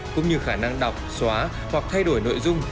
cũng như khả năng đọc xóa hoặc thay đổi nội dung